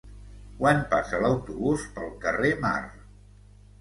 Quan passa l'autobús pel carrer Mar?